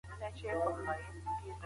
انسان د الهي قوانينو د پلي کولو مسوول دی.